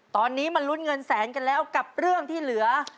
ตอนนี้มาลุ้นเงินแสนกันแล้วกับเรื่องที่เหลือ